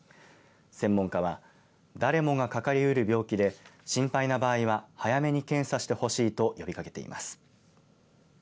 専門家は誰もがかかりうる病気で心配な場合は早めに検査してほしいと呼びかけています。